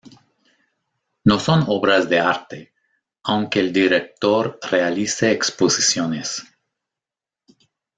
No son obras de arte, aunque el director realice exposiciones.